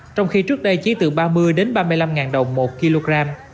trong khi trước đây chỉ từ ba mươi ba mươi năm đồng một kg